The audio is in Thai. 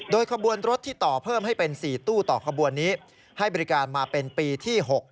โดยขบวนรถที่ต่อเพิ่มให้เป็น๔ตู้ต่อขบวนนี้ให้บริการมาเป็นปีที่๖